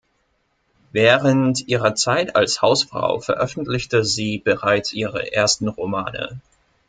Während ihrer Zeit als Hausfrau veröffentlichte sie bereits ihre ersten Romane.